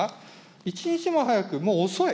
一日も早く、もう遅い。